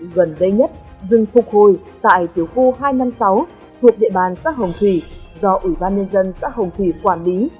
gần đây nhất rừng phục hồi tại tiểu khu hai trăm năm mươi sáu thuộc địa bàn xã hồng thủy do ủy ban nhân dân xã hồng thủy quản lý